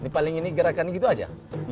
paling ini gerakannya gitu aja